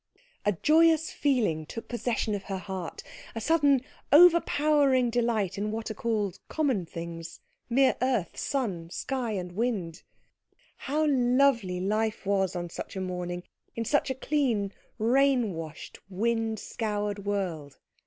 A joyous feeling took possession of her heart, a sudden overpowering delight in what are called common things mere earth, sky, sun, and wind. How lovely life was on such a morning, in such a clean, rain washed, wind scoured world.